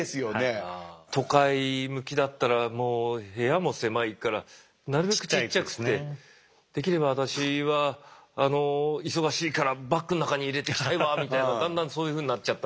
都会向きだったらもう部屋も狭いからなるべくちっちゃくてできれば私は忙しいからバッグの中に入れていきたいわみたいなだんだんそういうふうになっちゃったみたいな。